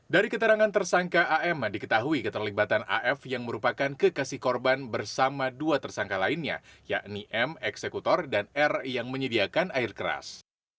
dari keterangan tersangka am diketahui keterlibatan af yang merupakan kekasih korban bersama dua tersangka lainnya yakni m eksekutor dan r yang menyediakan air keras